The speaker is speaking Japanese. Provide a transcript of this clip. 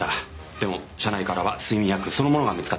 でも車内からは睡眠薬そのものが見つかっていません。